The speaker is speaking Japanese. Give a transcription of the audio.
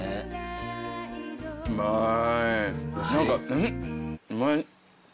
うまい。